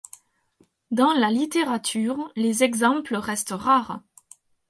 Dans la littérature française, les exemples restent rares.